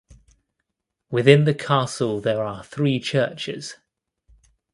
Within the castle there are three churches.